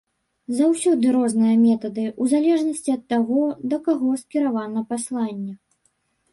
Заўсёды розныя метады, у залежнасці ад таго, да каго скіравана пасланне.